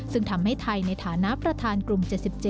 ซึ่งทำให้ไทยในฐานะประธานกลุ่ม๗๗